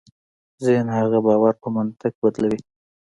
ذهن هغه باور په منطق بدلوي.